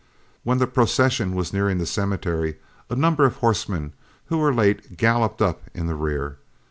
"When the procession was nearing the cemetery, a number of horsemen, who were late, galloped up in the rear.